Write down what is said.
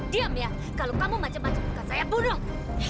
diam ya kalau kamu macam macam akan saya bunuh